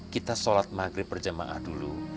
kita sholat maghrib berjamaah dulu